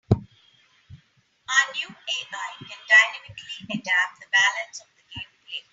Our new AI can dynamically adapt the balance of the gameplay.